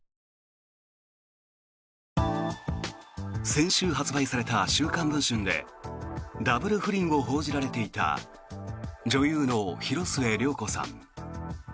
先週発売された「週刊文春」でダブル不倫を報じられていた女優の広末涼子さん。